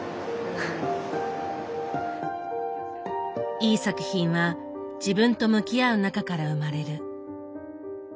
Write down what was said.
いい作品は自分と向き合う中から生まれる。